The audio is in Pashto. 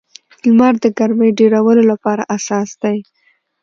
لمر د ګرمۍ ډېرولو لپاره اساس دی.